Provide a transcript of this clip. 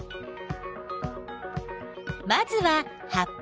まずは葉っぱ。